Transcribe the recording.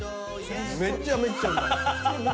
めちゃめちゃうまい。